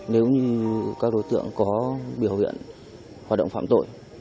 nếu như các đối tượng có biểu hiện hoạt động phạm tội